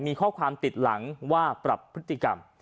มีข้อความติดหลังว่าปรับพฤติกรรม